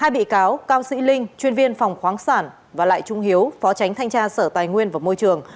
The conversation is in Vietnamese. hai bị cáo cao sĩ linh chuyên viên phòng khoáng sản và lại trung hiếu phó tránh thanh tra sở tài nguyên và môi trường